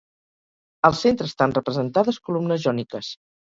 Al centre estan representades columnes jòniques.